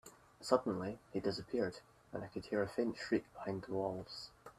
Suddenly, he disappeared, and I could hear a faint shriek behind the walls.